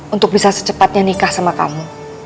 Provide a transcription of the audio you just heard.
untuk bisa secepatnya nikah sama kamu